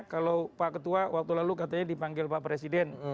kalau pak ketua waktu lalu katanya dipanggil pak presiden